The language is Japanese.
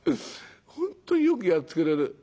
本当によくやってくれる。